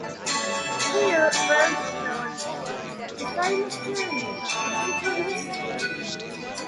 Here Virgil joined Horace on the famous journey to Brundisium.